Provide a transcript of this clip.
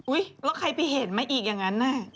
อุ๊ยแล้วใครไปเห็นมั้ยอีกอย่างนั้น